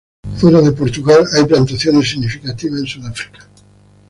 Fuera de Portugal hay plantaciones significativas en Sudáfrica.